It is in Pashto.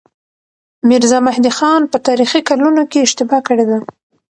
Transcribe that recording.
ميرزا مهدي خان په تاريخي کلونو کې اشتباه کړې ده.